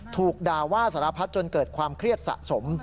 ถูกด่าว่าสารพัดจนเกิดความเครียดสะสม